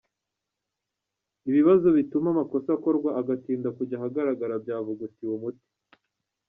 Ibibazo bituma amakosa akorwa agatinda kujya ahagaragara byavugutiwe umuti.